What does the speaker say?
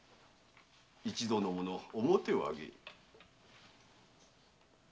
一同の者面を上げい。